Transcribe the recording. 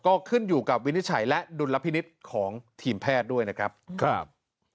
ก็ขึ้นอยู่กับวินิจฉัยและดุลพินิษฐ์ของทีมแพทย์ด้วยนะครับครับ